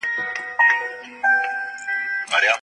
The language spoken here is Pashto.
په شخړو کي بايد د نجلۍ له ورکولو ډډه وکړئ.